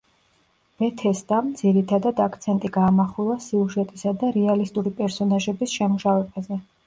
ბეთესდამ, ძირითადად, აქცენტი გაამახვილა სიუჟეტისა და რეალისტური პერსონაჟების შემუშავებაზე.